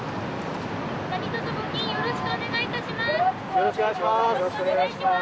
よろしくお願いします！